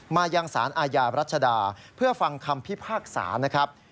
มายังสารอาญารัชดาเพื่อฟังคำพิพากษานะครับ